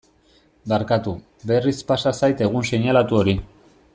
Barkatu, berriz pasa zait egun seinalatu hori.